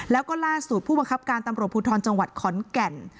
แล้วก็ล่าสุดผู้บังคับการตำรวจภูทรจังหวัดขอนแก่น